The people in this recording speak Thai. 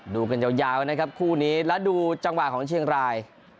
ดูกันยาวนะครับคู่นี้แล้วดูจังหวะของเชียงราย